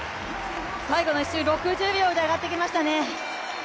最後の１周、６０秒で上がってきましたね。